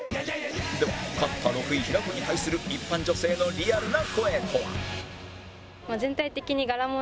では勝った６位平子に対する一般女性のリアルな声とは？